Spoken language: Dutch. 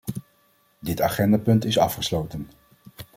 Dit agendapunt is afgesloten.